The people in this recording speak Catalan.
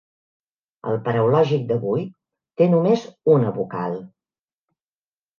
El Paraulògic d'avui té només una vocal.